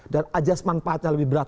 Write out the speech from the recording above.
dan ajastra manfaatnya lebih berat